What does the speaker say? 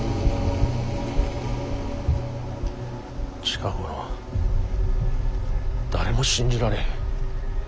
近頃は誰も信じられん。